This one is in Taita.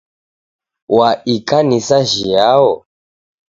Wa ikanisa jhiao?